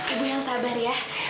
ibu yang sabar ya